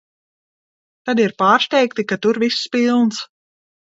Tad ir pārsteigti, ka tur viss pilns.